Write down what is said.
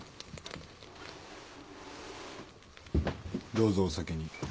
どうぞお先に。